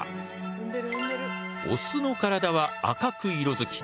オスの体は赤く色づき